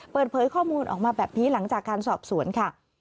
เปิดเผยข้อมูลออกมาแบบนี้หลังจากการสอบสวนค่ะ